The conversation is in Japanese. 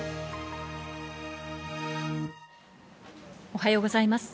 おはようございます。